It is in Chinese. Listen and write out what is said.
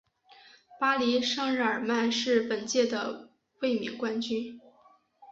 巴黎圣日耳曼是本届的卫冕冠军。